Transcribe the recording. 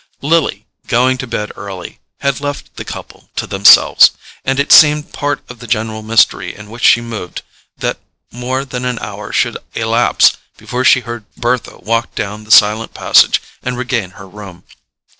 Lily, going to bed early, had left the couple to themselves; and it seemed part of the general mystery in which she moved that more than an hour should elapse before she heard Bertha walk down the silent passage and regain her room.